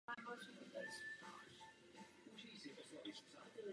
Jejím cílem bylo evakuovat děti z izolovaných židovských vesnic ohrožených egyptskou invazí.